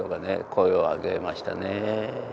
声を上げましたね。